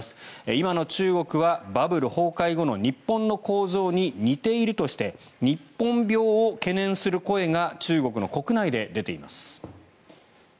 今の中国はバブル崩壊後の日本の構造に似ているとして日本病を懸念する声が中国の国内で出ています。